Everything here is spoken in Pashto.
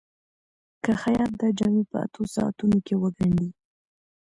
که خیاط دا جامې په اتو ساعتونو کې وګنډي.